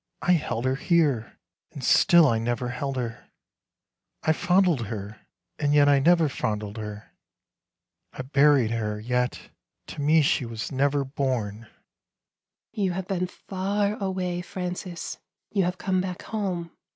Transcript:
" I held her here, and still I never held her; I fondled her, and yet I never fondled her ; I buried her, yet — to me — she never was born." " You have been far away, Francis ; you have come back home.